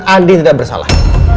andin tidak bersalah